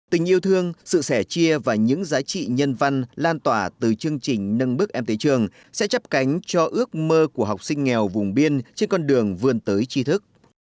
tình yêu thương sự sẻ chia và những giá trị nhân văn lan tỏa từ chương trình nâng bước em tới trường sẽ chấp cánh cho ước mơ của học sinh nghèo vùng biên trên con đường vươn tới chi thức